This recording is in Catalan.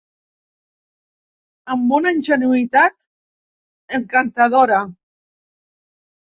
Amb una ingenuïtat encantadora